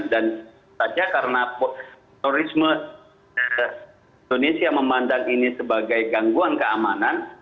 dan saja karena terorisme indonesia memandang ini sebagai gangguan keamanan